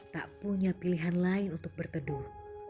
tak punya pilihan lain untuk berteduh